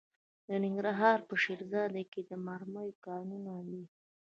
د ننګرهار په شیرزاد کې د مرمرو کانونه دي.